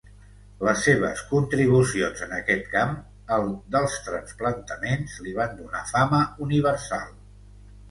Les seves contribucions en aquest camp, el dels trasplantaments, li van donar fama universal.